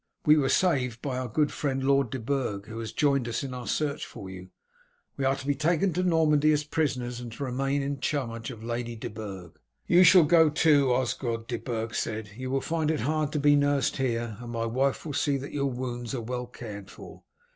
"We were saved by our good friend Lord de Burg, who has joined us in our search for you. We are to be taken to Normandy as prisoners, and to remain in charge of Lady de Burg." "You shall go too, Osgod," De Burg said. "You will find it hard to be nursed here, and my wife will see that your wounds are well cared for.